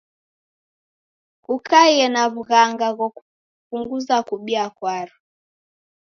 Kukaie na w'ughanga ghopunguza kubia kwaro.